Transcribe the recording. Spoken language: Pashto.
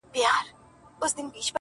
o ته توپک را واخله ماته بم راکه,